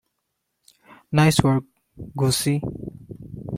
Nice work, Gussie.